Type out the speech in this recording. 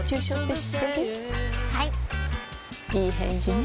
いい返事ね